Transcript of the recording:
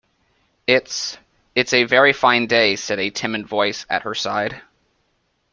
‘It’s—it’s a very fine day!’ said a timid voice at her side.